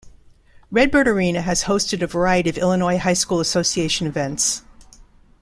Redbird Arena has hosted a variety of Illinois High School Association events.